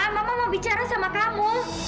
mama mau bicara sama kamu